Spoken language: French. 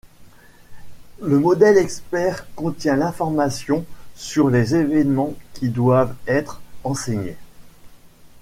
Le modèle expert contient l’information sur les éléments qui doivent être enseignés.